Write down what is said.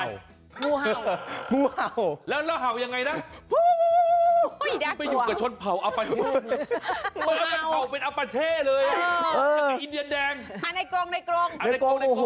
นั่นคุณจูด่งใช่ไหมครับ